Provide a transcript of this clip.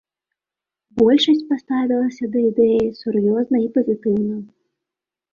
Большасць паставілася да ідэі сур'ёзна і пазітыўна.